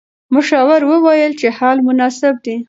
مشاور وویل چې حل مناسب دی.